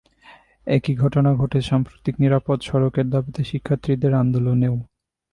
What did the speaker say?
একই ঘটনা ঘটেছে সাম্প্রতিক নিরাপদ সড়কের দাবিতে শিক্ষার্থীদের আন্দোলনেও।